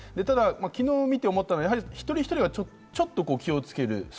ただ昨日、見て思ったのは一人一人がちょっと気をつける。